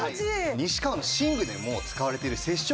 西川の寝具でも使われている接触